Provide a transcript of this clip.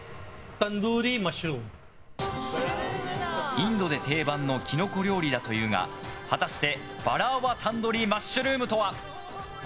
インドで定番のキノコ料理だというが果たして、バラーワタンドリーマッシュルームとは？